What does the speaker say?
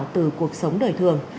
từ cuộc sống đời thường